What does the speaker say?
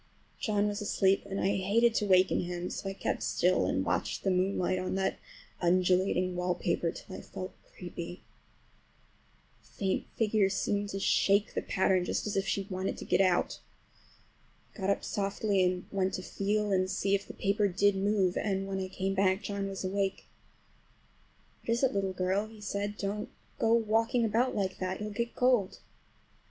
John was asleep and I hated to waken him, so I kept still and watched the moonlight on that undulating wallpaper till I felt creepy. The faint figure behind seemed to shake the pattern, just as if she wanted to get out. I got up softly and went to feel and see if the paper did move, and when I came back John was awake. "What is it, little girl?" he said. "Don't go walking about like that—you'll get cold."